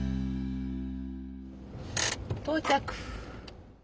到着！